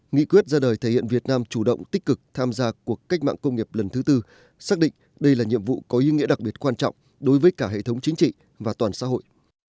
nghị quyết ra đời thể hiện việt nam chủ động tích cực tham gia cuộc cách mạng công nghiệp lần thứ tư xác định đây là nhiệm vụ có ý nghĩa đặc biệt quan trọng đối với cả hệ thống chính trị và toàn xã hội